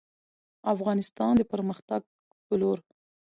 افغانستان د پرمختګ په لور